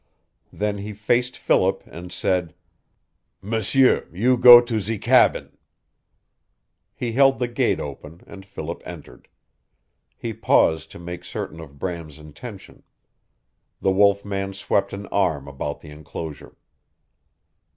Then he faced Philip, and said, "M'sieu, you go to ze cabin." He held the gate open, and Philip entered. He paused to make certain of Bram's intention. The wolf man swept an arm about the enclosure.